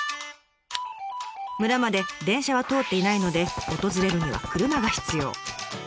村まで電車は通っていないので訪れるには車が必要。